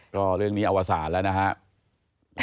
ก็เรื่องนี้อวสารแล้วนะครับ